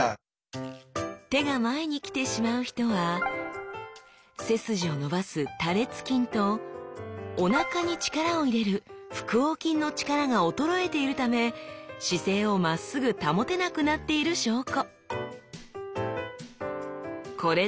手が前にきてしまう人は背筋を伸ばす多裂筋とおなかに力を入れる腹横筋の力が衰えているため姿勢をまっすぐ保てなくなっている証拠！